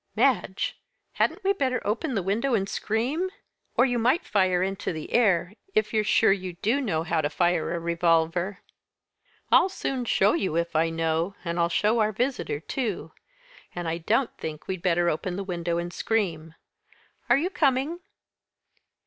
"Madge! Hadn't we better open the window and scream? Or you might fire into the air if you're sure you do know how to fire a revolver." "I'll soon show you if I know and I'll show our visitor too. And I don't think we'd better open the window and scream. Are you coming?"